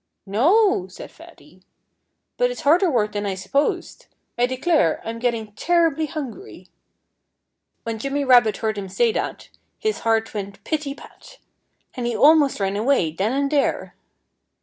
"No!" said Fatty. "But it's harder work than I supposed. I declare, I'm getting terribly hungry." When Jimmy Rabbit heard him say that, his heart went pitty pat. And he almost ran away, then and there.